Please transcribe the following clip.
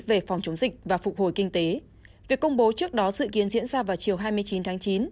về phòng chống dịch và phục hồi kinh tế việc công bố trước đó dự kiến diễn ra vào chiều hai mươi chín tháng chín